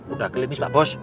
udah gelimis pak bos